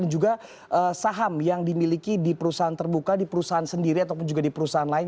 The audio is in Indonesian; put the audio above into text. dan juga saham yang dimiliki di perusahaan terbuka di perusahaan sendiri ataupun juga di perusahaan lain